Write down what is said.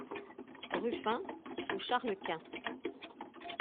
Ruffin sous Charles Quint.